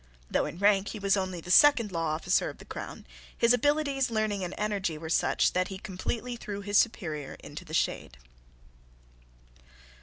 Though in rank he was only the second law officer of the crown, his abilities, learning, and energy were such that he completely threw his superior into the shade.